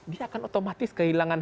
dia akan otomatis kehilangan